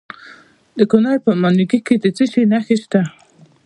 د کونړ په ماڼوګي کې د څه شي نښې دي؟